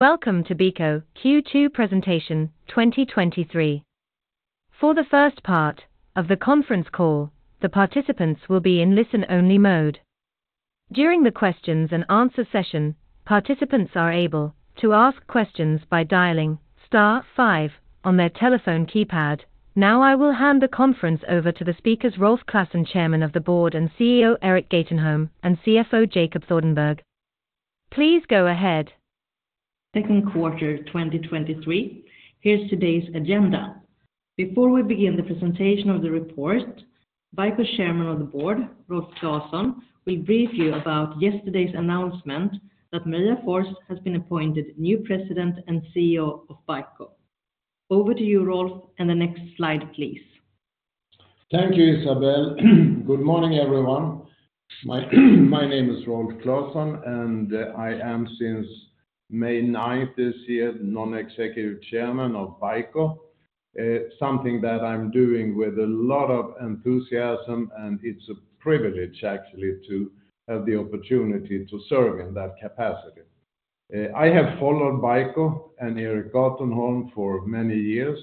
Welcome to BICO Q2 presentation 2023. For the first part of the conference call, the participants will be in listen-only mode. During the questions and answer session, participants are able to ask questions by dialing star five on their telephone keypad. Now, I will hand the conference over to the speakers, Rolf Classon, Chairman of the Board, and CEO, Erik Gatenholm, and CFO, Jacob Thordenberg. Please go ahead. Second quarter 2023. Here's today's agenda. Before we begin the presentation of the report, BICO Chairman of the Board, Rolf Classon, will brief you about yesterday's announcement that Maria Forss has been appointed new president and CEO of BICO. Over to you, Rolf, and the next slide, please. Thank you, Isabelle. Good morning, everyone. My name is Rolf Classon. I am since May ninth this year, Non-Executive Chairman of BICO. Something that I'm doing with a lot of enthusiasm, and it's a privilege, actually, to have the opportunity to serve in that capacity. I have followed BICO and Erik Gatenholm for many years,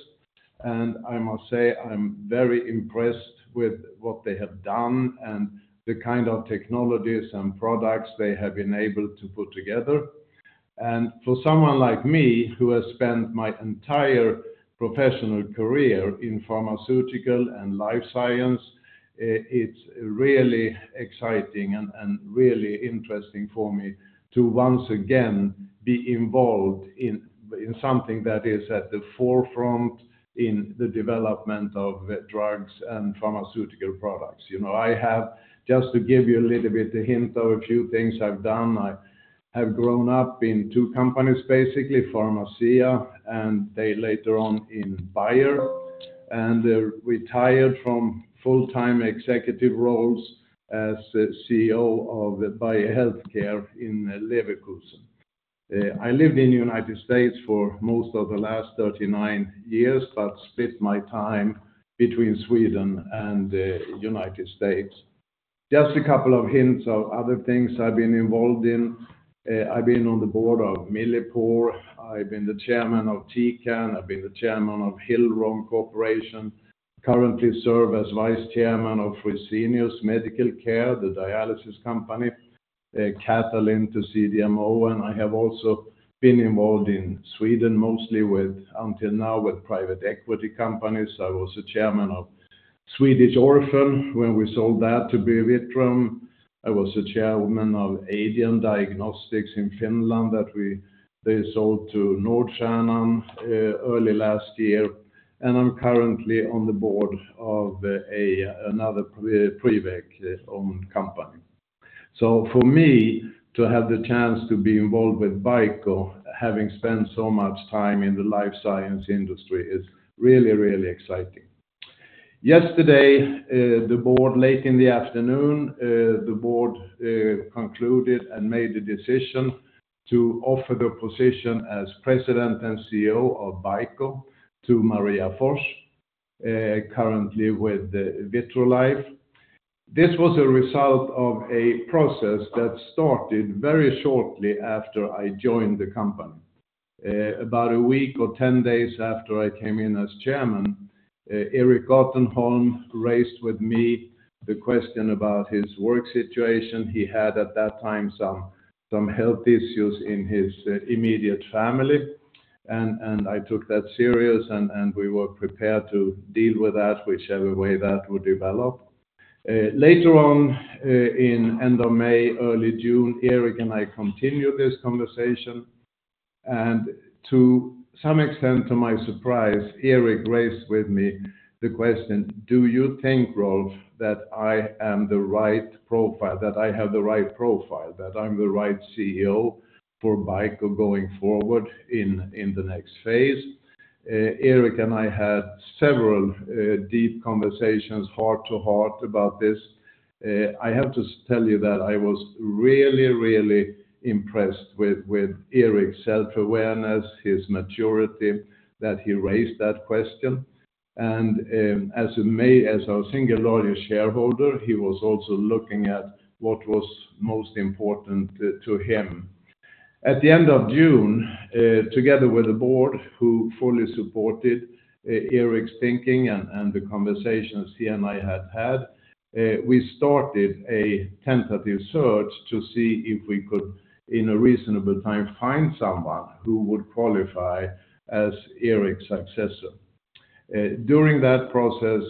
I must say, I'm very impressed with what they have done and the kind of technologies and products they have been able to put together. For someone like me, who has spent my entire professional career in pharmaceutical and life science, it's really exciting and really interesting for me to once again be involved in, in something that is at the forefront in the development of drugs and pharmaceutical products. You know, I have... Just to give you a little bit a hint of a few things I've done, I have grown up in two companies, basically, Pharmacia, and they later on in Bayer, and then retired from full-time executive roles as the CEO of the Bayer HealthCare in Leverkusen. I lived in the United States for most of the last 39 years but split my time between Sweden and the United States. Just a couple of hints of other things I've been involved in. I've been on the Board of Millipore. I've been the Chairman of Tecan. I've been the Chairman of Hill-Rom Corporation. Currently serve as vice Chairman of Fresenius Medical Care, the dialysis company, Catalent, the CDMO, and I have also been involved in Sweden, mostly with, until now, with private equity companies. I was the Chairman of Swedish Orphan, when we sold that to Biovitrum. I was a Chairman of Aidian Diagnostics in Finland, that they sold to Nordstjernan early last year, and I'm currently on the Board of another Priveq-owned company. For me, to have the chance to be involved with BICO, having spent so much time in the life science industry, is really, really exciting. Yesterday, the Board, late in the afternoon, the Board concluded and made a decision to offer the position as President and CEO of BICO to Maria Forss, currently with the Vitrolife. This was a result of a process that started very shortly after I joined the company. About a week or 10 days after I came in as Chairman, Erik Gatenholm raised with me the question about his work situation. He had, at that time, some, some health issues in his, immediate family, and, and I took that serious, and, and we were prepared to deal with that, whichever way that would develop. Later on, in end of May, early June, Erik and I continued this conversation, and to some extent, to my surprise, Erik raised with me the question: "Do you think, Rolf, that I am the right profile, that I have the right profile, that I'm the right CEO for BICO going forward in, in the next phase?" Erik and I had several, deep conversations, heart to heart about this. I have to tell you that I was really, really impressed with, with Erik's self-awareness, his maturity, that he raised that question. As our single largest shareholder, he was also looking at what was most important to, to him. At the end of June, together with the Board, who fully supported Erik's thinking and, and the conversations he and I had had, we started a tentative search to see if we could, in a reasonable time, find someone who would qualify as Erik's successor. During that process,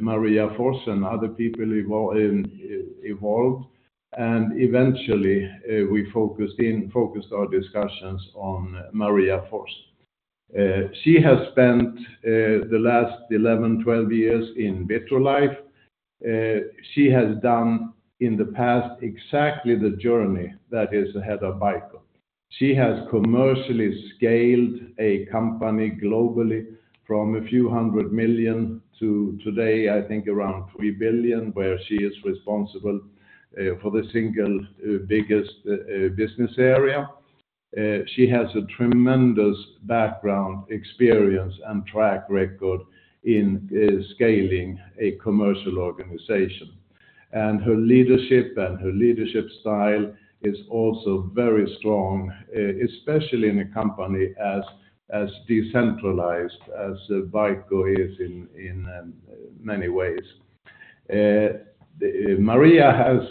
Maria Forss and other people involved, and eventually, we focused our discussions on Maria Forss. She has spent the last 11, 12 years in Vitrolife. She has done in the past, exactly the journey that is the head of BICO. She has commercially scaled a company globally from a few hundred million to today, I think, around 3 billion, where she is responsible for the single biggest business area. She has a tremendous background, experience, and track record in scaling a commercial organization. Her leadership and her leadership style is also very strong, especially in a company as decentralized as BICO is in, in many ways. Maria has,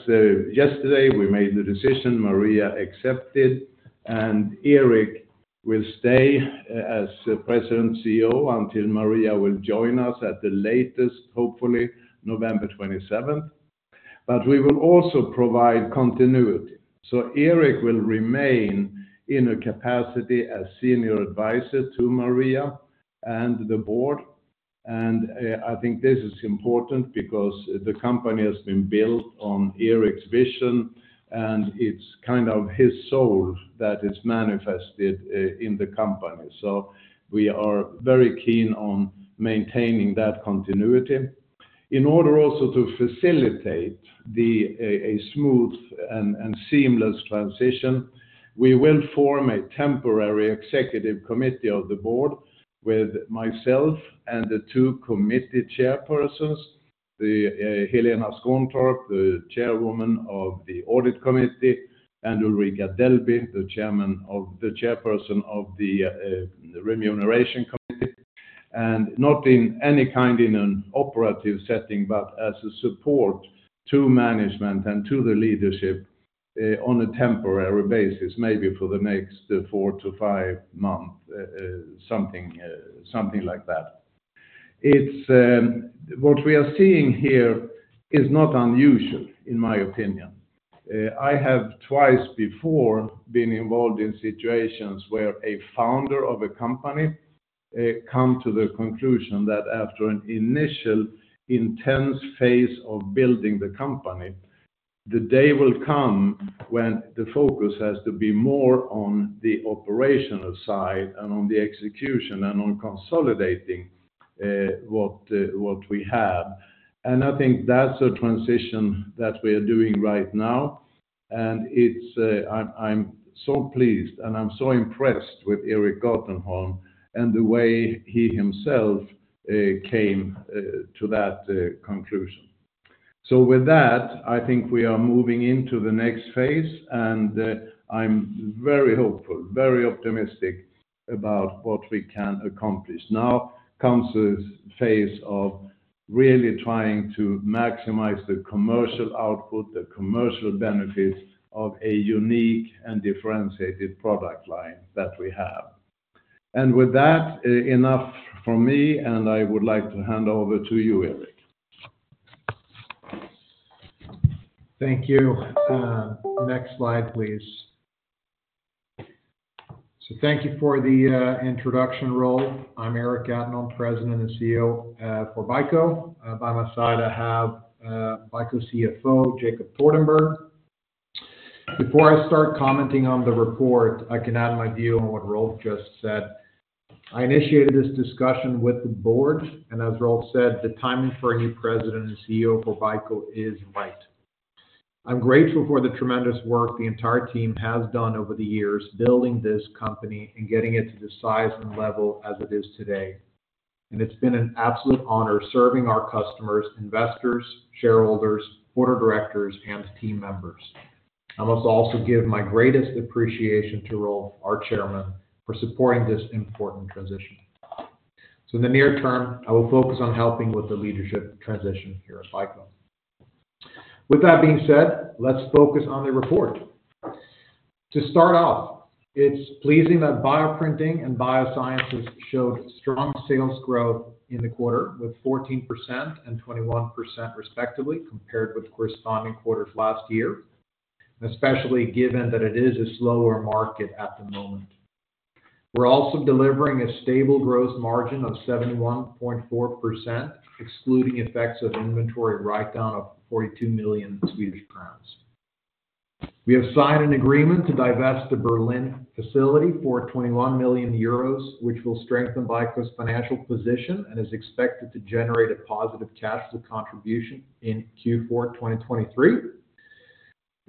yesterday, we made the decision, Maria accepted, Erik will stay as President and CEO until Maria will join us at the latest, hopefully, November 27th. We will also provide continuity. Erik will remain in a capacity as senior advisor to Maria and the Board. I think this is important because the company has been built on Erik's vision, and it's kind of his soul that is manifested in the company. We are very keen on maintaining that continuity. In order also to facilitate a smooth and seamless transition, we will form a temporary executive committee of the Board with myself and the two committee chairpersons, Helena Skåntorp, the Chairwoman of the Audit Committee, and Ulrika Dellby, the Chairperson of the Remuneration Committee, not in any kind in an operative setting, but as a support to management and to the leadership on a temporary basis, maybe for the next four months to five months, something, something like that. It's what we are seeing here is not unusual, in my opinion. I have twice before been involved in situations where a founder of a company, come to the conclusion that after an initial intense phase of building the company, the day will come when the focus has to be more on the operational side and on the execution and on consolidating what we have. I think that's a transition that we are doing right now, and it's, I'm so pleased and I'm so impressed with Erik Gatenholm and the way he himself came to that conclusion. With that, I think we are moving into the next phase, and I'm very hopeful, very optimistic about what we can accomplish. Now comes this phase of really trying to maximize the commercial output, the commercial benefits of a unique and differentiated product line that we have. With that, enough from me, and I would like to hand over to you, Erik. Thank you. Next slide, please. Thank you for the introduction, Rolf. I'm Erik Gatenholm, President and CEO for BICO. By my side, I have BICO CFO, Jacob Thordenberg. Before I start commenting on the report, I can add my view on what Rolf just said. I initiated this discussion with the Board, and as Rolf said, the timing for a new president and CEO for BICO is right. I'm grateful for the tremendous work the entire team has done over the years, building this company and getting it to the size and level as it is today. It's been an absolute honor serving our customers, investors, shareholders, Board of directors, and team members. I must also give my greatest appreciation to Rolf, our Chairman, for supporting this important transition. In the near term, I will focus on helping with the leadership transition here at BICO. With that being said, let's focus on the report. To start off, it's pleasing that bioprinting and biosciences showed strong sales growth in the quarter, with 14% and 21% respectively, compared with corresponding quarters last year, especially given that it is a slower market at the moment. We're also delivering a stable growth margin of 71.4%, excluding effects of inventory write down of 42 million Swedish crowns. We have signed an agreement to divest the Berlin facility for 21 million euros, which will strengthen BICO's financial position and is expected to generate a positive cash flow contribution in Q4 2023.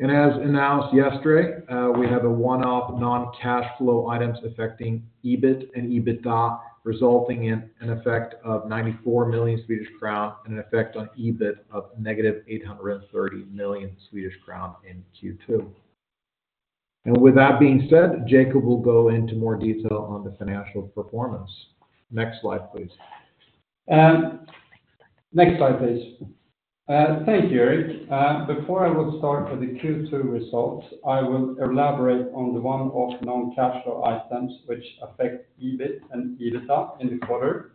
As announced yesterday, we have a one-off non-cash flow items affecting EBIT and EBITDA, resulting in an effect of 94 million Swedish crown and an effect on EBIT of negative 830 million Swedish crown in Q2. With that being said, Jacob will go into more detail on the financial performance. Next slide, please. Next slide, please. Thank you, Erik. Before I will start with the Q2 results, I will elaborate on the one-off non-cash flow items which affect EBIT and EBITDA in the quarter.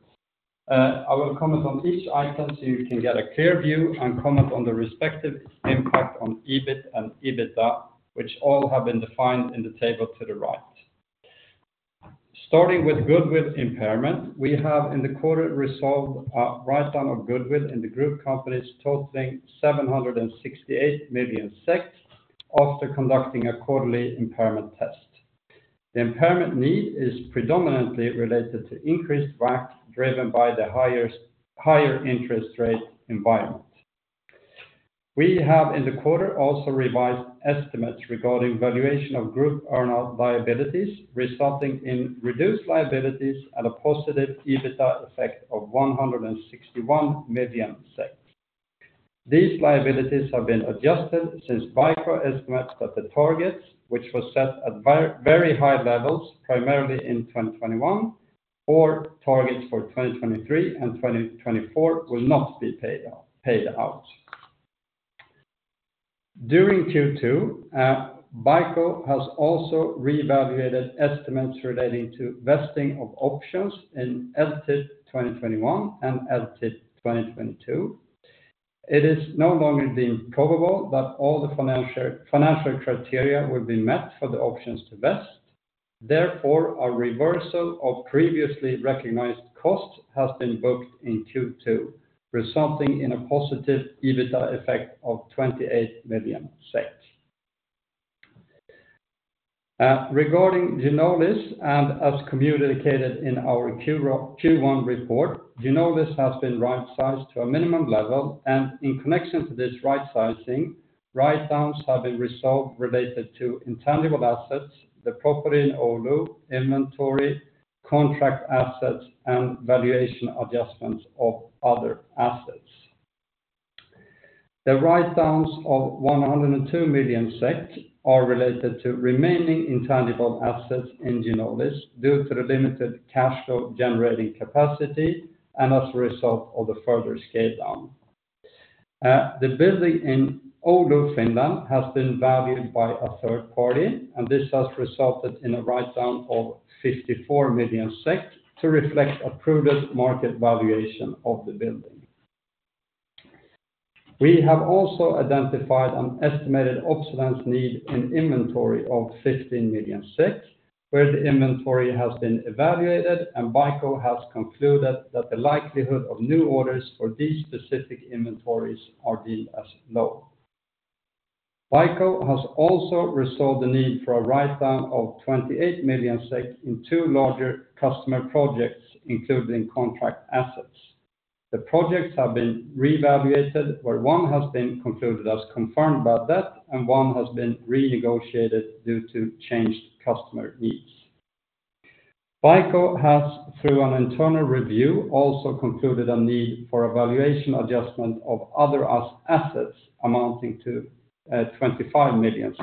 I will comment on each item so you can get a clear view and comment on the respective impact on EBIT and EBITDA, which all have been defined in the table to the right. Starting with goodwill impairment, we have in the quarter resolved a write down of goodwill in the group companies totaling 768 million SEK, after conducting a quarterly impairment test. The impairment need is predominantly related to increased WACC, driven by the higher, higher interest rate environment. We have in the quarter also revised estimates regarding valuation of group earn-out liabilities, resulting in reduced liabilities at a positive EBITDA effect of 161 million SEK. These liabilities have been adjusted since BICO estimates that the targets, which were set at very high levels, primarily in 2021, or targets for 2023 and 2024, will not be paid off, paid out. During Q2, BICO has also reevaluated estimates relating to vesting of options in LTIP 2021 and LTIP 2022. It is no longer deemed probable that all the financial criteria will be met for the options to vest. Therefore, a reversal of previously recognized costs has been booked in Q2, resulting in a positive EBITDA effect of 28 million. Regarding Ginolis, and as communicated in our Q1 report, Ginolis has been rightsized to a minimum level, and in connection to this rightsizing, writedowns have been resolved related to intangible assets, the property in Oulu, inventory, contract assets, and valuation adjustments of other assets. The write-downs of 102 million are related to remaining intangible assets in Ginolis, due to the limited cash flow generating capacity and as a result of the further scale down. The building in Oulu, Finland, has been valued by a third party, and this has resulted in a write-down of 54 million SEK to reflect a prudent market valuation of the building. We have also identified an estimated obsolescence need in inventory of 15 million, where the inventory has been evaluated and BICO has concluded that the likelihood of new orders for these specific inventories is deemed as low. BICO has also resolved the need for a write-down of 28 million SEK in two larger customer projects, including contract assets. The projects have been reevaluated, where one has been concluded as confirmed bad debt, and one has been renegotiated due to changed customer needs. BICO has, through an internal review, also concluded a need for a valuation adjustment of other assets amounting to 25 million.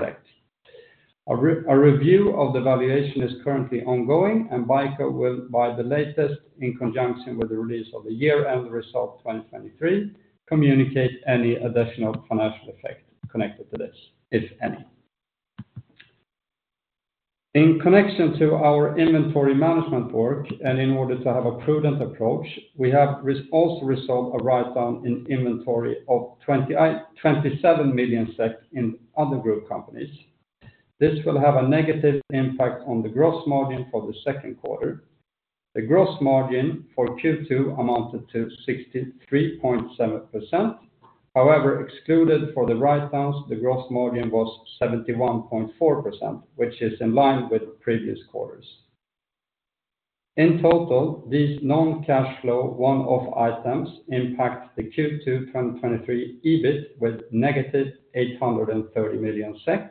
A review of the valuation is currently ongoing, and BICO will, by the latest, in conjunction with the release of the year-end result 2023, communicate any additional financial effect connected to this, if any. In connection to our inventory management work, and in order to have a prudent approach, we have also resolved a writedown in inventory of 27 million SEK in other group companies. This will have a negative impact on the gross margin for the second quarter. The gross margin for Q2 amounted to 63.7%. However, excluded for the writedowns, the gross margin was 71.4%, which is in line with previous quarters. In total, these non-cash flow one-off items impact the Q2 2023 EBIT with negative 830 million SEK,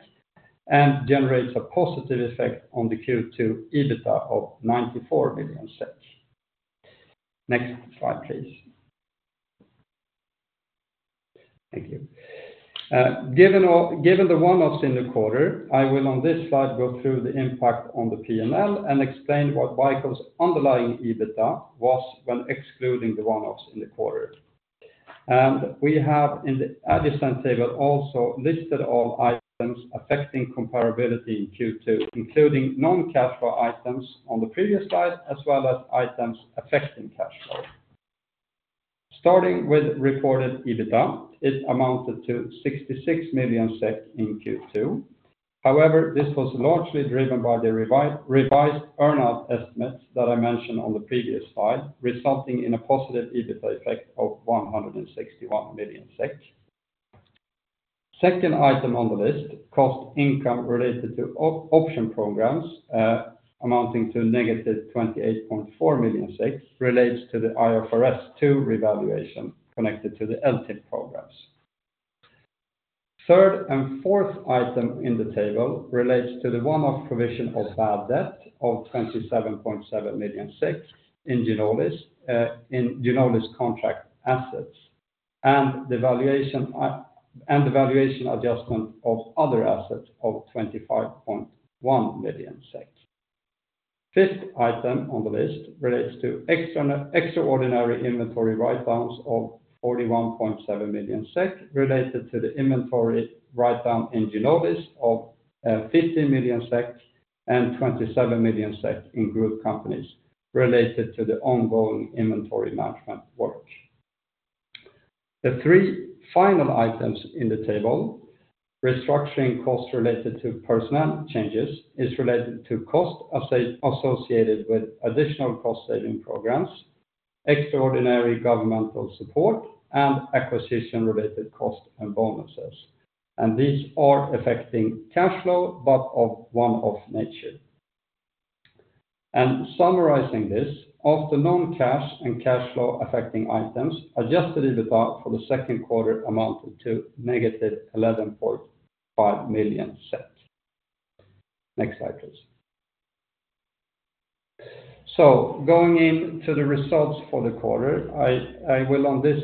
generates a positive effect on the Q2 EBITDA of 94 million SEK. Next slide, please. Thank you. Given all, given the one-offs in the quarter, I will, on this slide, go through the impact on the P&L and explain what BICO's underlying EBITDA was when excluding the one-offs in the quarter. We have, in the adjacent table, also listed all items affecting comparability in Q2, including non-cash flow items on the previous slide, as well as items affecting cash flow. Starting with reported EBITDA, it amounted to 66 million SEK in Q2. However, this was largely driven by the revised earn-out estimates that I mentioned on the previous slide, resulting in a positive EBITDA effect of 161 million SEK. Second item on the list, cost income related to option programs, amounting to negative 28.4 million, relates to the IFRS 2 revaluation connected to the LTIP programs. Third and fourth item in the table relates to the one-off provision of bad debt of 27.7 million in Ginolis contract assets, and the valuation adjustment of other assets of 25.1 million. Fifth item on the list relates to extraordinary inventory writedowns of 41.7 million SEK, related to the inventory writedown in Ginolis of 15 million SEK, and 27 million SEK in group companies related to the ongoing inventory management work. The three final items in the table, restructuring costs related to personnel changes, is related to cost associated with additional cost saving programs, extraordinary governmental support, and acquisition-related costs and bonuses. These are affecting cash flow, but of one-off nature. Summarizing this, of the non-cash and cash flow affecting items, adjusted EBITDA for the second quarter amounted to negative 11.5 million. Next slide, please. Going into the results for the quarter, I will on this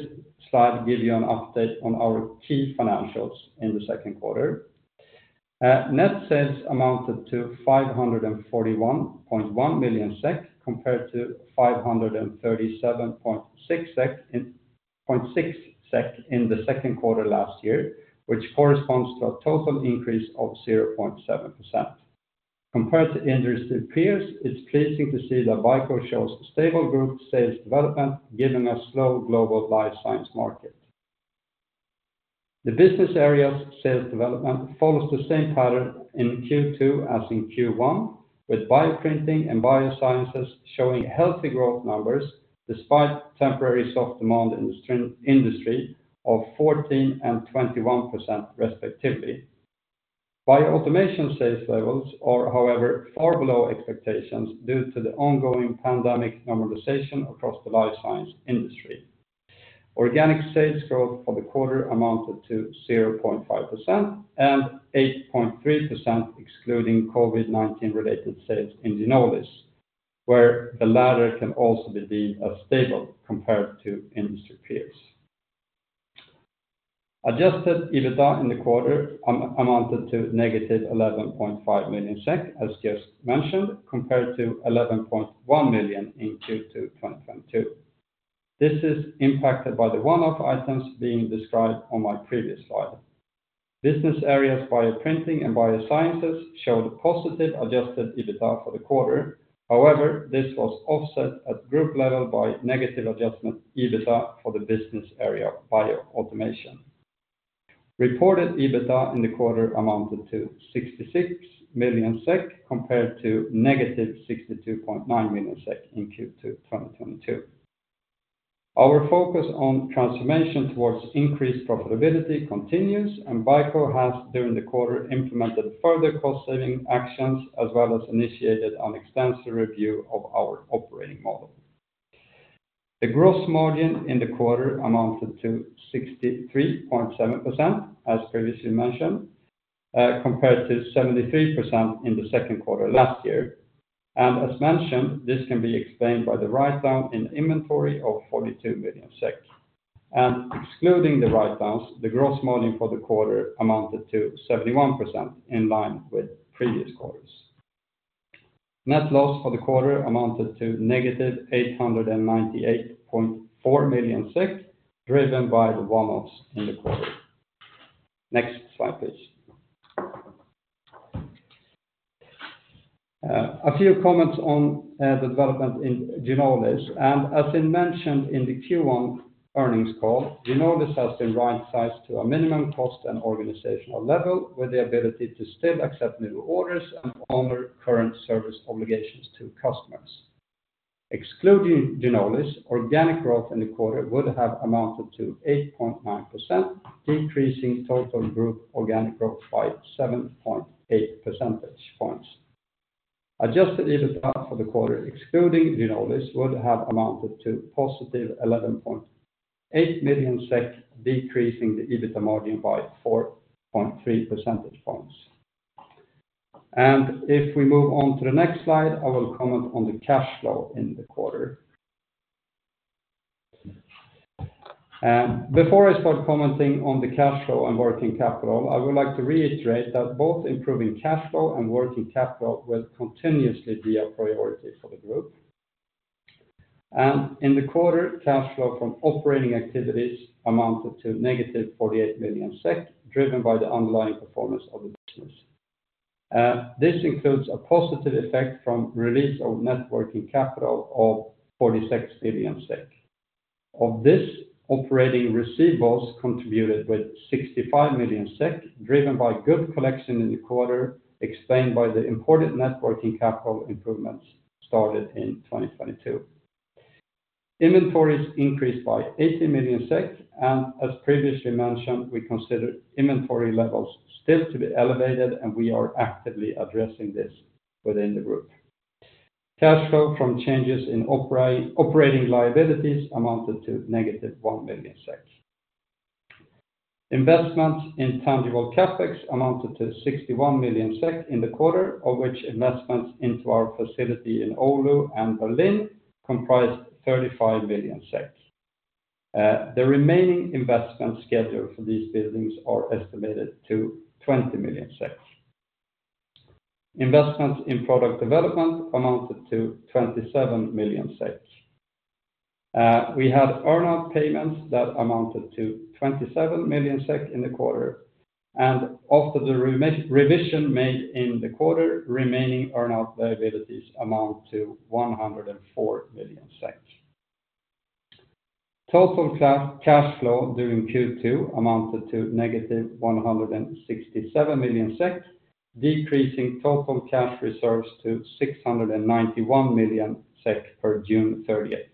slide give you an update on our key financials in the second quarter. Net sales amounted to 541.1 million SEK, compared to 537.6 SEK in the second quarter last year, which corresponds to a total increase of 0.7%. Compared to industry peers, it's pleasing to see that BICO shows stable group sales development, giving a slow global life science market. The business area's sales development follows the same pattern in Q2 as in Q1, with bioprinting and biosciences showing healthy growth numbers, despite temporary soft demand in the industry of 14% and 21% respectively. Bioautomation sales levels are, however, far below expectations, due to the ongoing pandemic normalization across the life science industry. Organic sales growth for the quarter amounted to 0.5% and 8.3%, excluding COVID-19 related sales in Ginolis, where the latter can also be stable compared to industry peers. Adjusted EBITDA in the quarter amounted to negative 11.5 million SEK, as just mentioned, compared to 11.1 million SEK in Q2 2022. This is impacted by the one-off items being described on my previous slide. Business areas Bioprinting and Biosciences showed a positive adjusted EBITDA for the quarter. This was offset at group level by negative adjustment EBITDA for the business area Bioautomation. Reported EBITDA in the quarter amounted to 66 million SEK, compared to negative 62.9 million SEK in Q2 2022. Our focus on transformation towards increased profitability continues. Vicore has, during the quarter, implemented further cost-saving actions, as well as initiated an extensive review of our operating model. The gross margin in the quarter amounted to 63.7%, as previously mentioned, compared to 73% in the second quarter last year. As mentioned, this can be explained by the write down in inventory of 42 million SEK. Excluding the write-downs, the gross margin for the quarter amounted to 71% in line with previous quarters. Net loss for the quarter amounted to minus 898.4 million, driven by the one-offs in the quarter. Next slide, please. A few comments on the development in Ginolis. As been mentioned in the Q1 earnings call, Ginolis has been right-sized to a minimum cost and organizational level, with the ability to still accept new orders and honor current service obligations to customers. Excluding Ginolis, organic growth in the quarter would have amounted to 8.9%, decreasing total group organic growth by 7.8 percentage points. Adjusted EBITDA for the quarter, excluding Ginolis, would have amounted to positive 11.8 million SEK, decreasing the EBITDA margin by 4.3 percentage points. If we move on to the next slide, I will comment on the cash flow in the quarter. Before I start commenting on the cash flow and working capital, I would like to reiterate that both improving cash flow and working capital will continuously be a priority for the group. In the quarter, cash flow from operating activities amounted to negative 48 million SEK, driven by the underlying performance of the business. This includes a positive effect from release of net working capital of 46 million SEK. Of this, operating receivables contributed with 65 million SEK, driven by good collection in the quarter, explained by the important net working capital improvements started in 2022. Inventories increased by 80 million. As previously mentioned, we consider inventory levels still to be elevated, and we are actively addressing this within the group. Cash flow from changes in operating liabilities amounted to negative 1 million. Investments in tangible CapEx amounted to 61 million SEK in the quarter, of which investments into our facility in Oulu and Berlin comprised 35 million. The remaining investment schedule for these buildings are estimated to 20 million. Investments in product development amounted to 27 million. We had earn out payments that amounted to 27 million in the quarter, and after the revision made in the quarter, remaining earn out liabilities amount to 104 million. Total cash flow during Q2 amounted to negative 167 million SEK, decreasing total cash reserves to 691 million SEK per June 30th.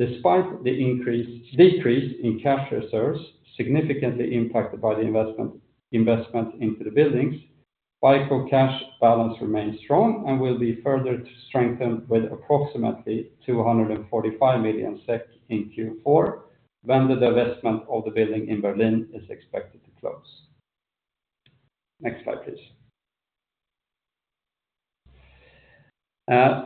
Despite the increase, decrease in cash reserves, significantly impacted by the investment, investment into the buildings, Vicore cash balance remains strong and will be further to strengthen with approximately 245 million SEK in Q4, when the divestment of the building in Berlin is expected to close. Next slide, please.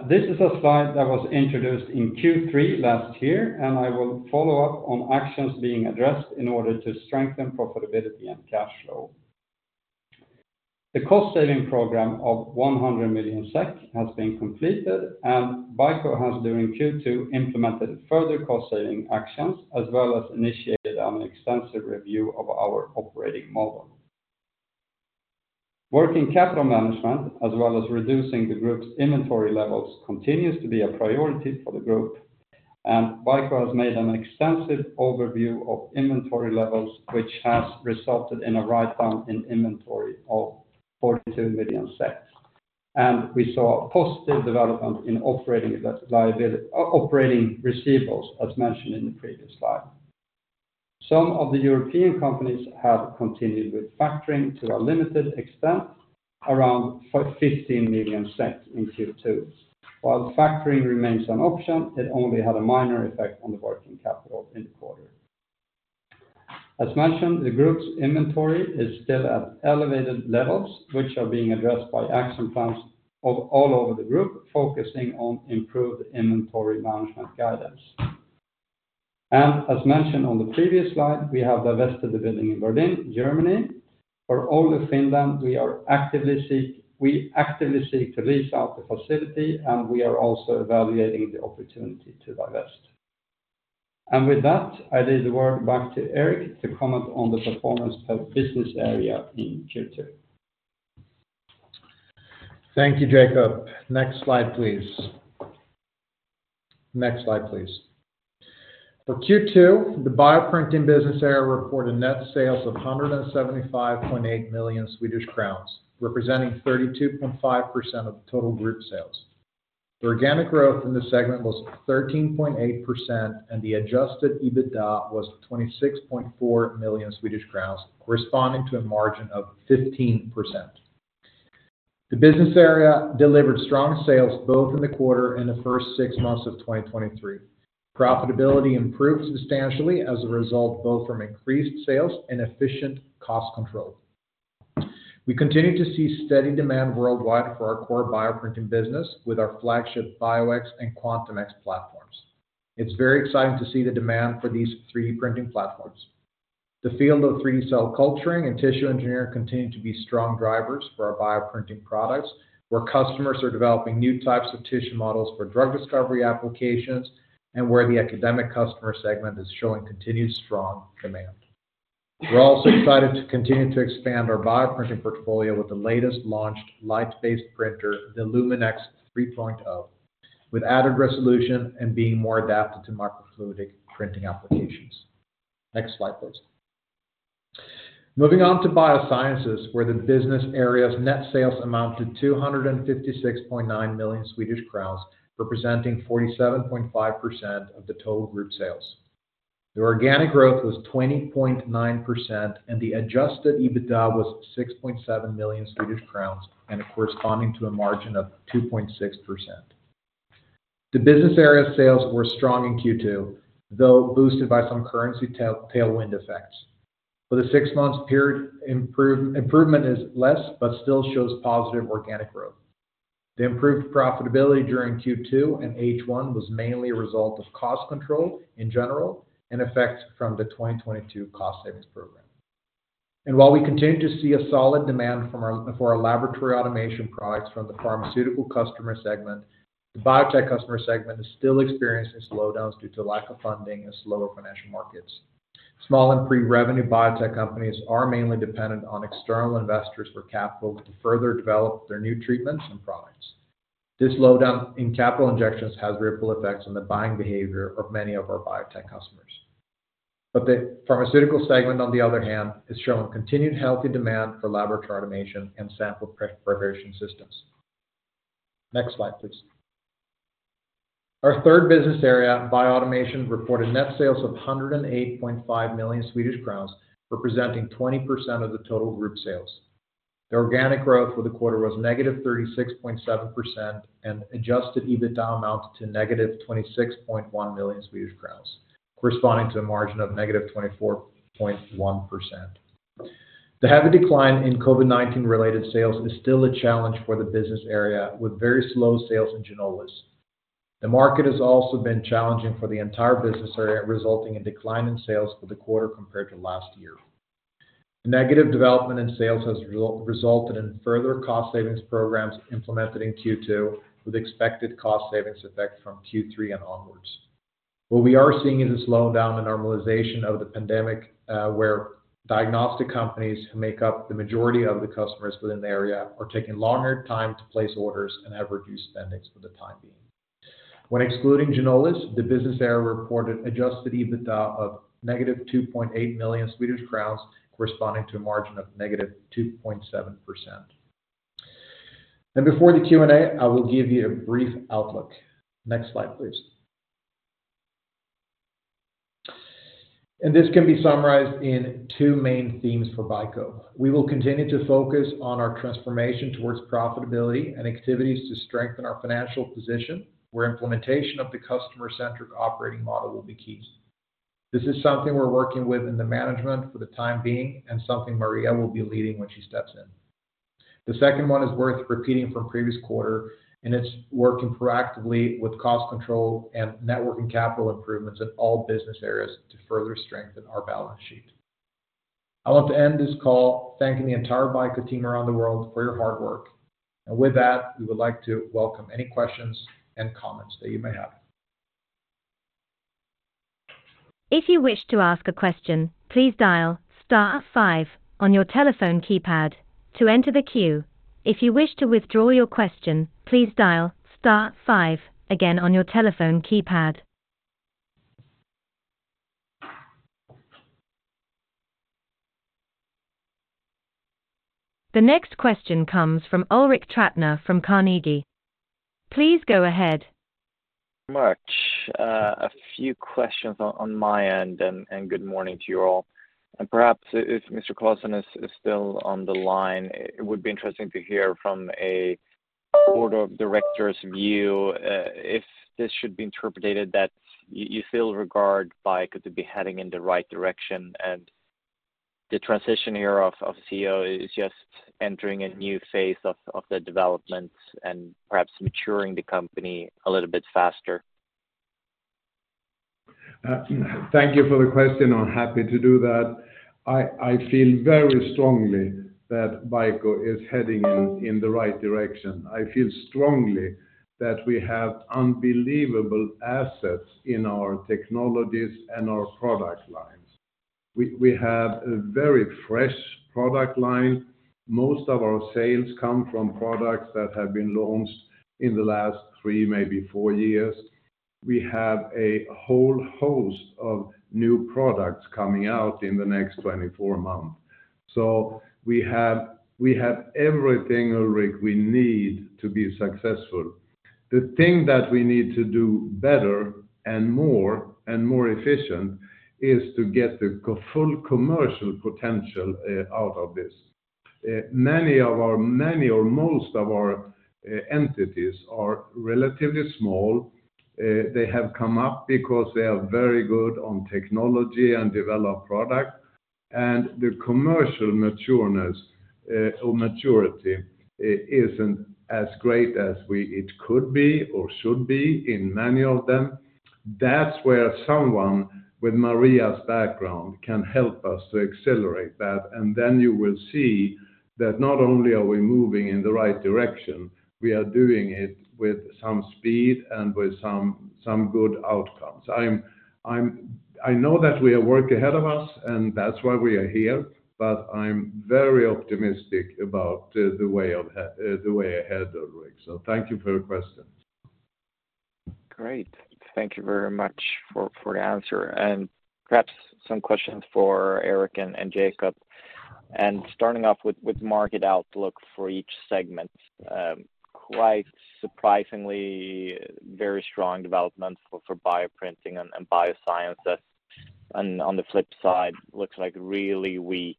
This is a slide that was introduced in Q3 last year. I will follow up on actions being addressed in order to strengthen profitability and cash flow. The cost-saving program of 100 million SEK has been completed, and BICO has, during Q2, implemented further cost-saving actions, as well as initiated an extensive review of our operating model. Working capital management, as well as reducing the group's inventory levels, continues to be a priority for the group. BICO has made an extensive overview of inventory levels, which has resulted in a write-down in inventory of 42 million. We saw a positive development in operating liability, operating receivables, as mentioned in the previous slide. Some of the European companies have continued with factoring to a limited extent, around 15 million in Q2. While factoring remains an option, it only had a minor effect on the working capital in the quarter. As mentioned, the group's inventory is still at elevated levels, which are being addressed by action plans of all over the group, focusing on improved inventory management guidance. As mentioned on the previous slide, we have divested the building in Berlin, Germany. For Oulu, Finland, we actively seek to lease out the facility, and we are also evaluating the opportunity to divest. With that, I leave the word back to Erik to comment on the performance of business area in Q2. Thank you, Jacob. Next slide, please. Next slide, please. For Q2, the bioprinting business area reported net sales of 175.8 million Swedish crowns, representing 32.5% of the total Group sales. The organic growth in the segment was 13.8%, and the adjusted EBITDA was 26.4 million Swedish crowns, corresponding to a margin of 15%. The business area delivered strong sales both in the quarter and the first 6 months of 2023. Profitability improved substantially as a result, both from increased sales and efficient cost control. We continue to see steady demand worldwide for our core bioprinting business with our flagship BIO X and Quantum X platforms. It's very exciting to see the demand for these 3D printing platforms. The field of 3D cell culturing and tissue engineering continue to be strong drivers for our bioprinting products, where customers are developing new types of tissue models for drug discovery applications and where the academic customer segment is showing continued strong demand. We're also excited to continue to expand our bioprinting portfolio with the latest launched light-based printer, the LUMEN X 3.0, with added resolution and being more adapted to microfluidic printing applications. Next slide, please. Moving on to Biosciences, where the business area's net sales amount to 256.9 million Swedish crowns, representing 47.5% of the total group sales. The organic growth was 20.9%, and the adjusted EBITDA was 6.7 million Swedish crowns and corresponding to a margin of 2.6%. The business area sales were strong in Q2, though boosted by some currency tailwind effects. For the 6 months period, improvement is less but still shows positive organic growth. The improved profitability during Q2 and H1 was mainly a result of cost control in general and effects from the 2022 cost savings program. While we continue to see a solid demand for our laboratory automation products from the pharmaceutical customer segment, the biotech customer segment is still experiencing slowdowns due to lack of funding and slower financial markets. Small and pre-revenue biotech companies are mainly dependent on external investors for capital to further develop their new treatments and products. This slowdown in capital injections has ripple effects on the buying behavior of many of our biotech customers. The pharmaceutical segment, on the other hand, is showing continued healthy demand for laboratory automation and sample preparation systems. Next slide, please. Our third business area, Bioautomation, reported net sales of 108.5 million Swedish crowns, representing 20% of the total group sales. The organic growth for the quarter was -36.7%, and adjusted EBITDA amounted to -26.1 million Swedish crowns, corresponding to a margin of -24.1%. The heavy decline in COVID-19 related sales is still a challenge for the business area, with very slow sales in Ginolis. The market has also been challenging for the entire business area, resulting in decline in sales for the quarter compared to last year. Negative development in sales has resulted in further cost savings programs implemented in Q2, with expected cost savings effect from Q3 and onwards. What we are seeing is a slowdown in normalization of the pandemic, where diagnostic companies, who make up the majority of the customers within the area, are taking longer time to place orders and have reduced spendings for the time being. When excluding Ginolis, the business area reported adjusted EBITDA of negative 2.8 million Swedish crowns, corresponding to a margin of negative 2.7%. Before the Q&A, I will give you a brief outlook. Next slide, please. This can be summarized in two main themes for BICO. We will continue to focus on our transformation towards profitability and activities to strengthen our financial position, where implementation of the customer-centric operating model will be key. This is something we're working with in the management for the time being, and something Maria will be leading when she steps in. The second one is worth repeating from previous quarter, and it's working proactively with cost control and networking capital improvements in all business areas to further strengthen our balance sheet. I want to end this call thanking the entire BICO team around the world for your hard work. With that, we would like to welcome any questions and comments that you may have. If you wish to ask a question, please dial star five on your telephone keypad to enter the queue. If you wish to withdraw your question, please dial star five again on your telephone keypad. The next question comes from Ulrik Trattner from Carnegie. Please go ahead. Thank you so much. A few questions on, on my end, and, and good morning to you all. Perhaps if Mr. Classon is, is still on the line, it would be interesting to hear from a Board of Directors view, if this should be interpreted that you, you feel regard BICO to be heading in the right direction, and the transition here of, of CEO is just entering a new phase of, of the developments and perhaps maturing the company a little bit faster? Thank you for the question. I'm happy to do that. I, I feel very strongly that BICO is heading in, in the right direction. I feel strongly that we have unbelievable assets in our technologies and our product lines. We, we have a very fresh product line. Most of our sales come from products that have been launched in the last three, maybe four years. We have a whole host of new products coming out in the next 24 months. We have, we have everything, Ulrik, we need to be successful. The thing that we need to do better and more and more efficient is to get the full commercial potential out of this. Many or most of our entities are relatively small. They have come up because they are very good on technology and develop product, and the commercial matureness, or maturity, isn't as great as it could be or should be in many of them. That's where someone with Maria's background can help us to accelerate that. Then you will see that not only are we moving in the right direction, we are doing it with some speed and with some, some good outcomes. I know that we have work ahead of us, and that's why we are here, but I'm very optimistic about the way ahead, Ulrik. Thank you for the question. Great. Thank you very much for your answer, perhaps some questions for Erik and Jacob. Starting off with market outlook for each segment. Quite surprisingly, very strong development for bioprinting and Biosciences. On the flip side, looks like really weak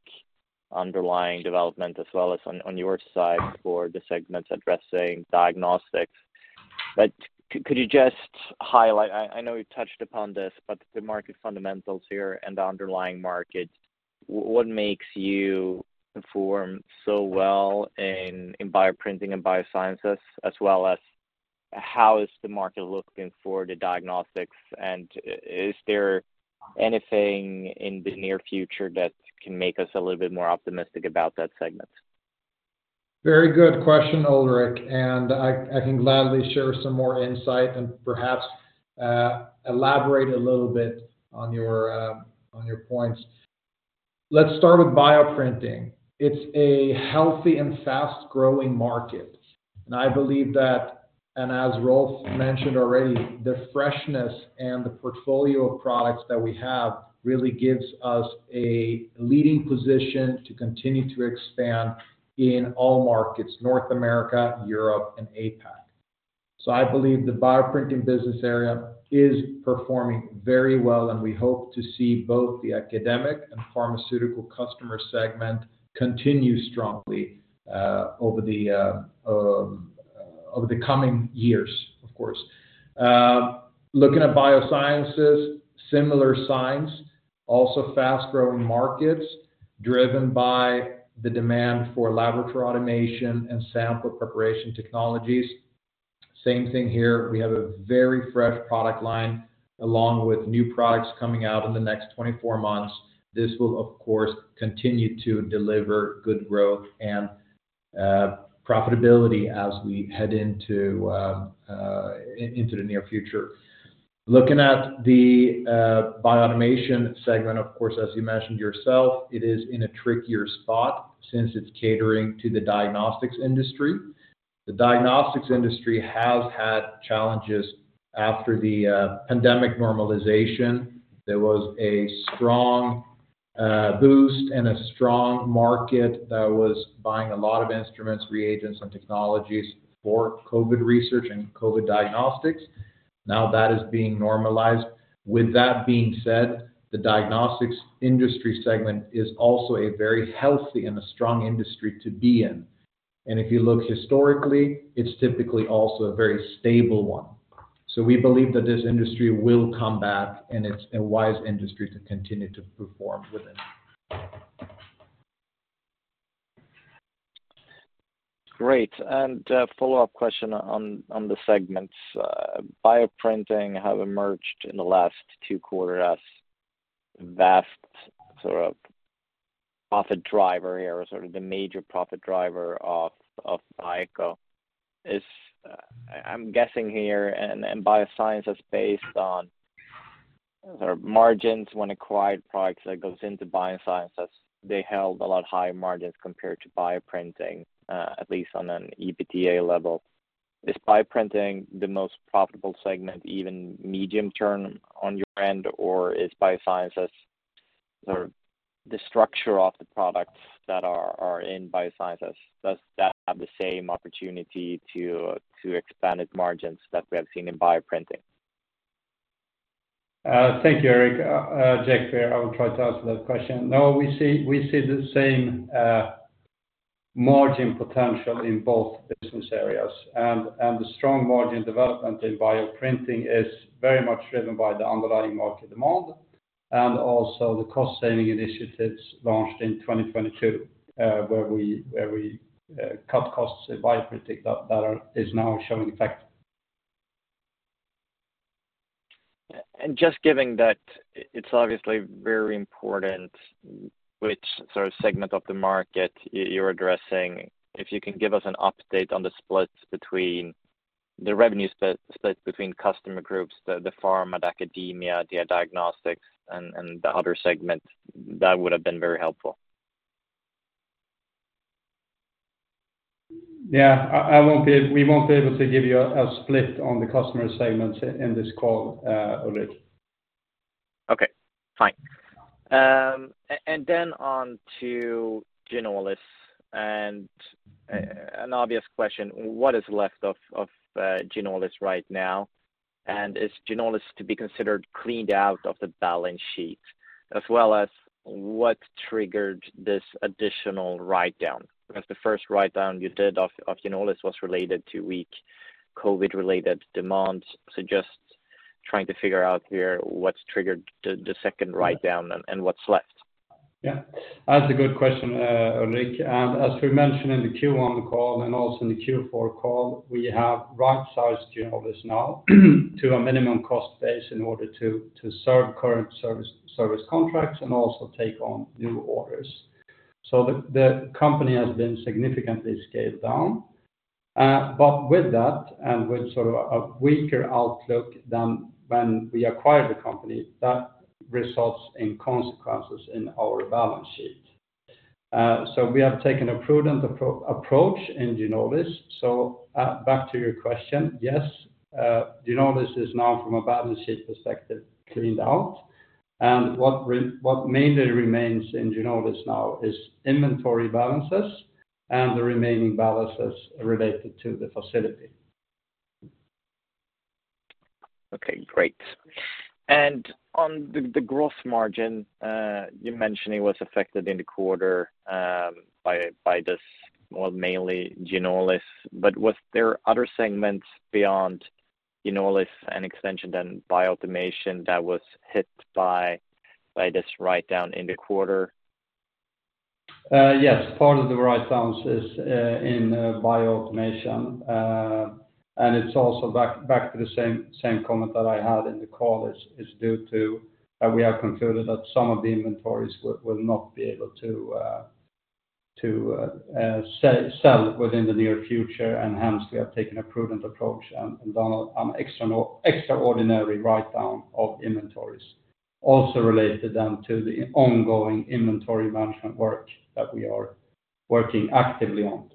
underlying development, as well as on your side, for the segments addressing diagnostics. Could you just highlight, I know you touched upon this, but the market fundamentals here and the underlying market, what makes you perform so well in bioprinting and Biosciences? As well as how is the market looking for the diagnostics, and is there anything in the near future that can make us a little bit more optimistic about that segment? Very good question, Ulrik. I, I can gladly share some more insight and perhaps elaborate a little bit on your on your points. Let's start with bioprinting. It's a healthy and fast-growing market. I believe that, and as Rolf mentioned already, the freshness and the portfolio of products that we have really gives us a leading position to continue to expand in all markets, North America, Europe, and APAC. I believe the bioprinting business area is performing very well, and we hope to see both the academic and pharmaceutical customer segment continue strongly over the coming years, of course. Looking at biosciences, similar signs, also fast-growing markets, driven by the demand for laboratory automation and sample preparation technologies. Same thing here. We have a very fresh product line, along with new products coming out in the next 24 months. This will, of course, continue to deliver good growth and profitability as we head into the near future. Looking at the bioautomation segment, of course, as you mentioned yourself, it is in a trickier spot since it's catering to the diagnostics industry. The diagnostics industry has had challenges after the pandemic normalization. There was a strong boost and a strong market that was buying a lot of instruments, reagents, and technologies for COVID research and COVID diagnostics. That is being normalized. With that being said, the diagnostics industry segment is also a very healthy and a strong industry to be in. If you look historically, it's typically also a very stable one. We believe that this industry will come back, and it's a wise industry to continue to perform within. Great, follow-up question on, on the segments. bioprinting have emerged in the last 2 quarters as vast, sort of, profit driver here, or sort of the major profit driver of BICO. Is, I'm guessing here, biosciences based on sort of margins when acquired products that goes into biosciences, they held a lot higher margins compared to bioprinting, at least on an EBITDA level. Is bioprinting the most profitable segment, even medium term on your end, or is biosciences sort of the structure of the products that are in biosciences? Does that have the same opportunity to expand its margins that we have seen in bioprinting? Thank you, Ulrik, Jake, where I will try to answer that question. No, we see, we see the same margin potential in both business areas. The strong margin development in Bioprinting is very much driven by the underlying market demand, and also the cost-saving initiatives launched in 2022, where we cut costs in Bioprinting, is now showing effect. Just giving that, it's obviously very important, which sort of segment of the market you're addressing. If you can give us an update on the split between the revenue split between customer groups, the pharma, academia, the diagnostics, and the other segment, that would have been very helpful. Yeah, I, I won't be, we won't be able to give you a, a split on the customer segments i-in this call, Ulrik. Okay, fine. Then on to Ginolis, an obvious question, what is left of Ginolis right now? Is Ginolis to be considered cleaned out of the balance sheet, as well as what triggered this additional writedown? Because the first writedown you did of Ginolis was related to weak COVID-related demand. Just trying to figure out here what's triggered the second writedown and what's left. Yeah, that's a good question, Ulrik. As we mentioned in the Q1 call and also in the Q4 call, we have right-sized Ginolis now, to a minimum cost base in order to serve current service contracts and also take on new orders. The company has been significantly scaled down. With that, and with sort of a weaker outlook than when we acquired the company, that results in consequences in our balance sheet. We have taken a prudent approach in Ginolis. Back to your question, yes, Ginolis is now from a balance sheet perspective, cleaned out. What mainly remains in Ginolis now is inventory balances and the remaining balances related to the facility. Okay, great. On the, the gross margin, you mentioned it was affected in the quarter, by, by this, well, mainly Ginolis, but was there other segments beyond Ginolis and extension than Bioautomation, that was hit by, by this writedown in the quarter? Yes, part of the writedowns is in Bioautomation. It's also back to the same comment that I had in the call. It's due to we have concluded that some of the inventories will not be able to sell within the near future, and hence we have taken a prudent approach and done an extraordinary writedown of inventories, also related then to the ongoing inventory management work that we are working actively on.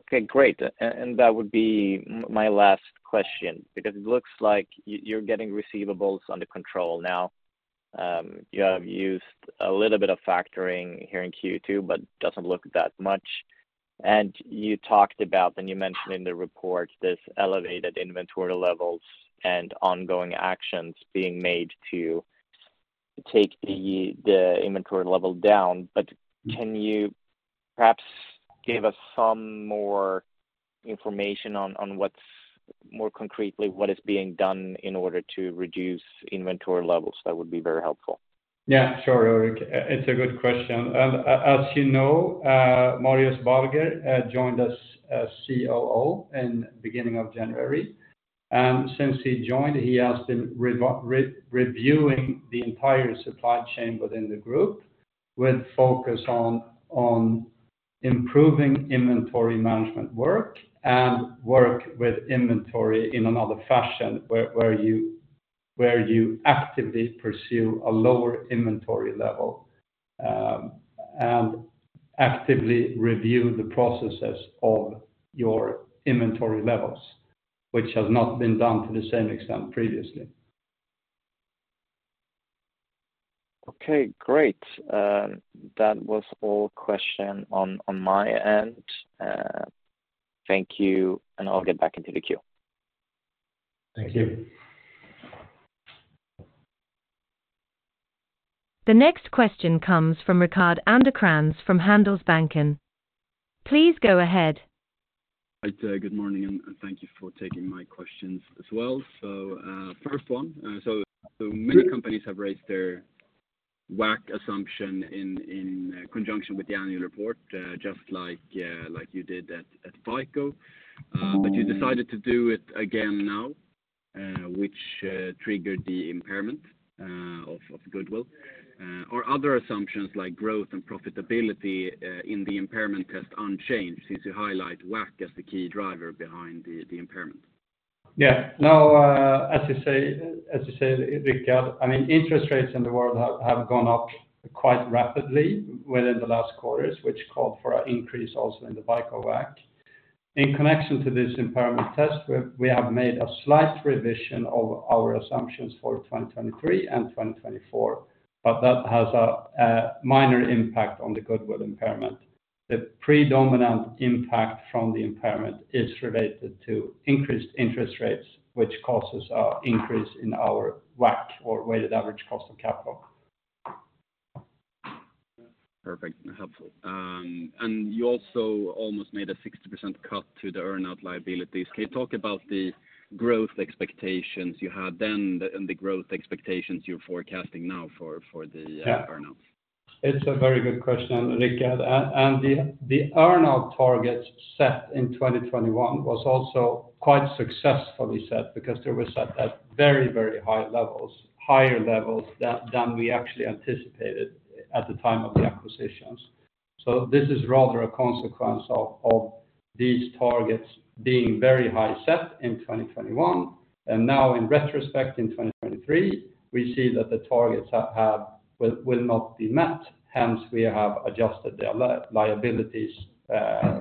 Okay, great. That would be my last question, because it looks like you're getting receivables under control now. You have used a little bit of factoring here in Q2, but doesn't look that much. You talked about, and you mentioned in the report, this elevated inventory levels and ongoing actions being made to take the, the inventory level down. Can you perhaps give us some more information on what's, more concretely, what is being done in order to reduce inventory levels? That would be very helpful. Yeah, sure, Ulrik. It's a good question. As you know, Marino Külz joined us as COO in beginning of January. Since he joined, he has been re-reviewing the entire supply chain within the group, with focus on, on improving inventory management work and work with inventory in another fashion, where, where you, where you actively pursue a lower inventory level, and actively review the processes of your inventory levels, which has not been done to the same extent previously. Okay, great. That was all question on, on my end. Thank you, and I'll get back into the queue. Thank you. The next question comes from Rickard Anderkrans from Handelsbanken. Please go ahead. Hi there. Good morning, and thank you for taking my questions as well. First one, many companies have raised their WACC assumption in conjunction with the annual report, just like you did at BICO. But you decided to do it again now, which triggered the impairment of goodwill. Are other assumptions like growth and profitability in the impairment test unchanged since you highlight WACC as the key driver behind the impairment? Yeah. No, as you say, as you said, Rickard, I mean, interest rates in the world have gone up quite rapidly within the last quarters, which called for an increase also in the BICO WACC. In connection to this impairment test, we have made a slight revision of our assumptions for 2023 and 2024, but that has a minor impact on the goodwill impairment. The predominant impact from the impairment is related to increased interest rates, which causes an increase in our WACC or weighted average cost of capital. Perfect. Helpful. You also almost made a 60% cut to the earn out liabilities. Can you talk about the growth expectations you had then and the growth expectations you're forecasting now for, for the earn out? It's a very good question, Rickard. The earn-out targets set in 2021 was also quite successfully set because there was at very, very high levels, higher levels than we actually anticipated at the time of the acquisitions. This is rather a consequence of these targets being very high set in 2021, and now in retrospect, in 2023, we see that the targets have... will not be met, hence we have adjusted the liabilities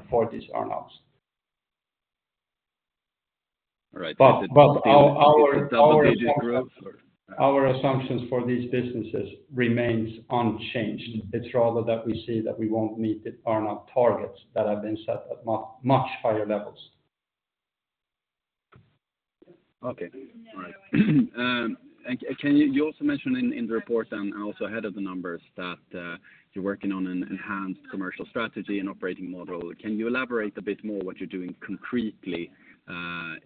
for these earn-outs. All right. double-digit growth or? Our assumptions for these businesses remains unchanged. It's rather that we see that we won't meet the earn-out targets that have been set at much higher levels. Okay. All right. And can you... You also mentioned in, in the report and also ahead of the numbers that, you're working on an enhanced commercial strategy and operating model. Can you elaborate a bit more what you're doing concretely, to,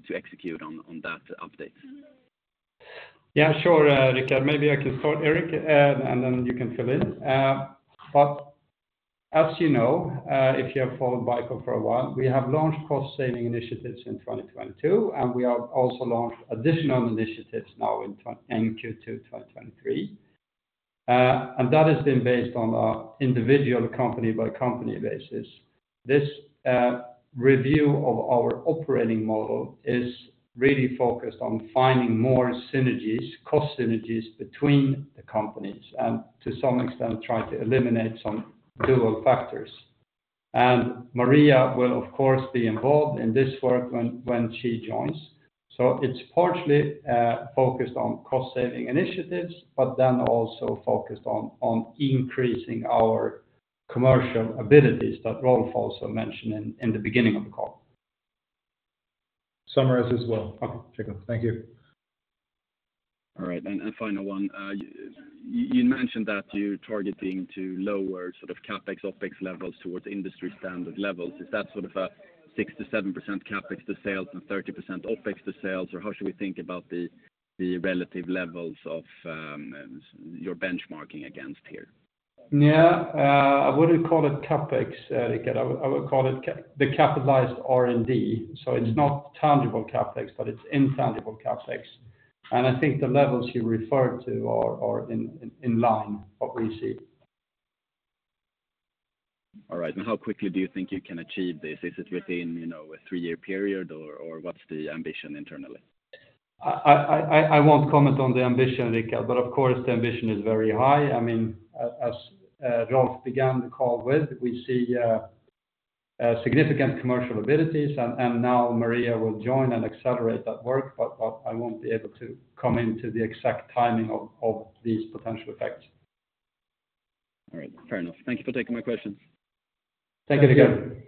to execute on, on that update? Yeah, sure, Rickard. Maybe I can start, Erik, and then you can fill in. As you know, if you have followed BICO for a while, we have launched cost-saving initiatives in 2022, and we have also launched additional initiatives now in Q2 2023. That has been based on a individual company by company basis. This review of our operating model is really focused on finding more synergies, cost synergies between the companies, and to some extent, try to eliminate some dual factors. Maria will, of course, be involved in this work when she joins. It's partially focused on cost-saving initiatives, but then also focused on increasing our commercial abilities that Rolf also mentioned in the beginnng of the call. Summarize as well. Okay, thank you. All right, and final one. You mentioned that you're targeting to lower sort of CapEx, OpEx levels towards industry standard levels. Is that sort of a 60%-70% CapEx to sales and 30% OpEx to sales, or how should we think about the, the relative levels of your benchmarking against here? Yeah, I wouldn't call it CapEx, Rickard. I would call it the capitalized R&D.It's not tangible CapEx, but it's intangible CapEx. I think the levels you referred to are in line with what we see. All right. How quickly do you think you can achieve this? Is it within, you know, a 3-year period, or, or what's the ambition internally? I won't comment on the ambition, Rickard, but of course, the ambition is very high. I mean, as Rolf began the call with, we see a significant commercial abilities, and now Maria will join and accelerate that work, but I won't be able to come into the exact timing of these potential effects. All right. Fair enough. Thank you for taking my questions. Thank you, Rickard.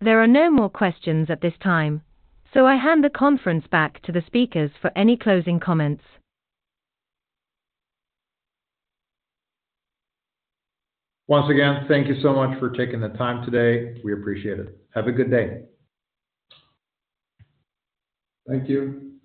There are no more questions at this time, so I hand the conference back to the speakers for any closing comments. Once again, thank you so much for taking the time today. We appreciate it. Have a good day. Thank you.